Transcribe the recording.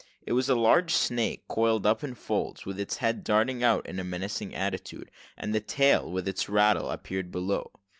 It was a large snake coiled up in folds, with its head darting out in a menacing attitude, and the tail, with its rattle, appeared below.